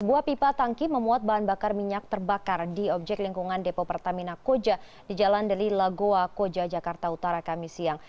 sebuah pipa tangki memuat bahan bakar minyak terbakar di objek lingkungan depo pertamina koja di jalan deli lagoa koja jakarta utara kami siang